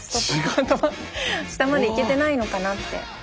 下まで行けてないのかなって。